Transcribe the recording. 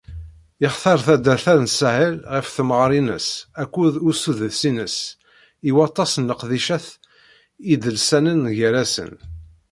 Yextar taddart-a n Saḥel ɣef temɣer-ines akked usuddes-ines i waṭas n leqdicat idelsanen gar-asen.